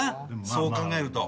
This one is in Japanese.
そう考えると。